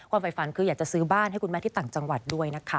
ฝ่ายฝันคืออยากจะซื้อบ้านให้คุณแม่ที่ต่างจังหวัดด้วยนะคะ